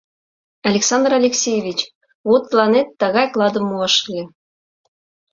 Александр Алексеевич, вот тыланет тыгай кладым муаш ыле».